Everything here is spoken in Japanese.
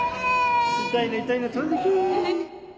痛いの痛いの飛んでけ